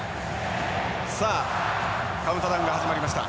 さあカウントダウンが始まりました。